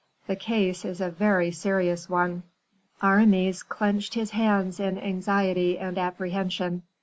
The case is a very serious one." Aramis clenched his hands in anxiety and apprehension.